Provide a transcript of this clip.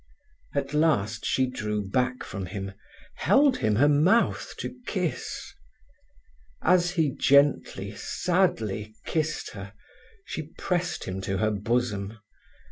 At last she drew back from him, held him her mouth to kiss. As he gently, sadly kissed her she pressed him to her bosom.